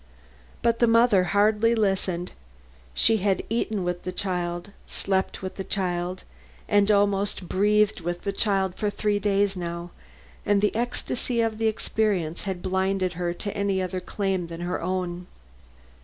But the mother hardly listened. She had eaten with the child, slept with the child and almost breathed with the child for three days now, and the ecstasy of the experience had blinded her to any other claim than her own.